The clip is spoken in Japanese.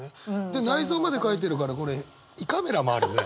で内臓まで書いてるからこれ胃カメラもあるよね？